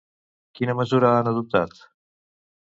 Quina mesura han adoptat?